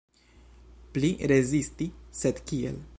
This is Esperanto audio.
Pli rezisti, sed kiel?